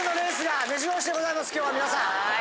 今日は皆さん。